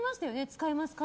使えますか？